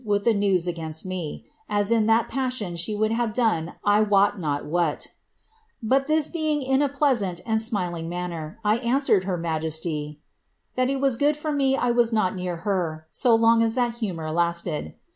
ihe news against me, as in that passion she would have done I wot irhat But this being in a pleasant and smiling manner, I answered najesty, ^ that it was good for me I was not near her, so lonff as that oar lasted.'